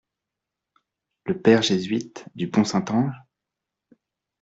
Le Père jésuite du Pont Saint-Ange?